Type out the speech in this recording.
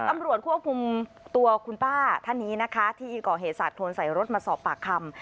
ตำรวจควบคุมตัวคุณป้าท่านนี้นะคะที่ก่อเหตุสาดโคนใส่รถมาสอบปากคำ